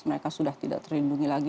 mereka sudah tidak terlindungi lagi